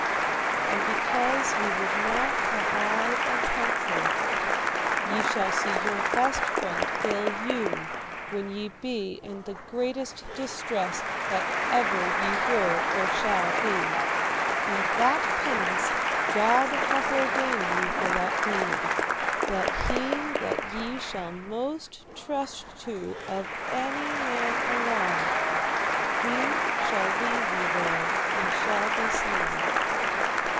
And because ye would not abide and help her, ye shall see your best friend fail you when ye be in the greatest distress that ever ye were or shall be. And that penance God hath ordained you for that deed, that he that ye shall most trust to of any man alive, he shall leave you there ye shall be slain.